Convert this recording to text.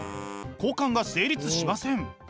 交換が成立しません。